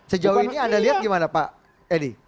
sejauh ini anda lihat gimana pak edi